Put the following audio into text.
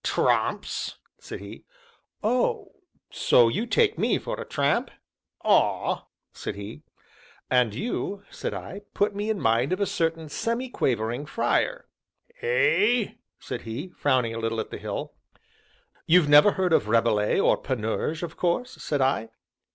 "Tramps!" said he. "Oh! so you take me for a tramp?" "Ah!" said he. "And you," said I, "put me in mind of a certain Semi quavering Friar." "Eh?" said he, frowning a little at the hill. "You've never heard of Rabelais, or Panurge, of course," said I.